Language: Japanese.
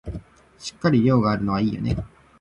しっかり量があるのはいいよね